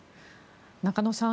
中野さん